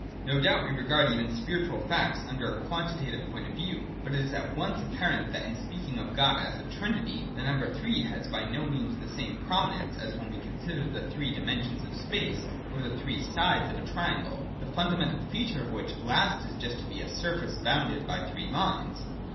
No doubt we regard even spiritual facts under a quantitative point of view ; but it is at once apparent that in speaking of God as a Trinity, the number three has by no means the same prominence, as when we consider the three dimensions of space or the three sides of a triangle ;— the fundamental feature of which last is just to be a surface 1 88 THE DOCTRINE OF BEING. [99, 100. bounded by three lines.